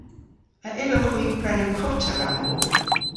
A yllowgh hwi prena kota ragov?